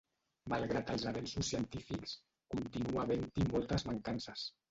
Malgrat els avenços científics, continua havent-hi moltes mancances.